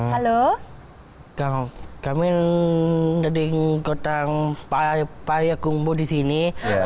halo kamu kamu ngeding kotang payah payah kumpul di sini